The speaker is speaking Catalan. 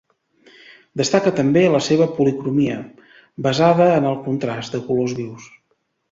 Destaca també la seva policromia, basada en el contrast de colors vius.